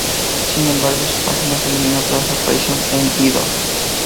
Sin embargo, su página se eliminó tras su aparición en "Idol".